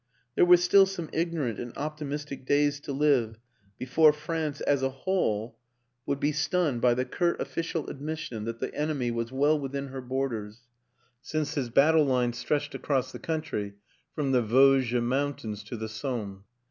There were still some ignorant and optimistic days to live before France aS a whole would be 202 WILLIAM AN ENGLISHMAN stunned by the .curt official admission that the enemy was well within her borders since his battle line stretched across the country from the Vosges mountains to the Somme.